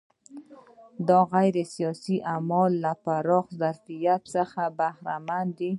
دا غیر سیاسي اعمال له پراخ ظرفیت څخه برخمن دي.